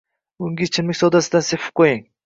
Unga ichimlik sodasidan sepib qo'ying.